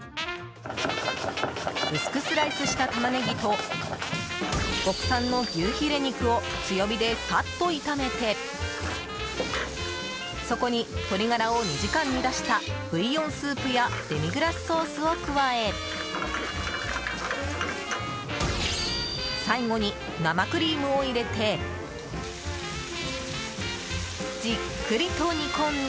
薄くスライスしたタマネギと国産の牛ヒレ肉を強火でサッと炒めてそこに、鶏ガラを２時間煮だしたブイヨンスープやデミグラスソースを加え最後に生クリームを入れてじっくりと煮こんだ